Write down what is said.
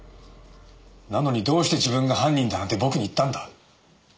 なのにどうして自分が犯人だなんて僕に言ったんだ？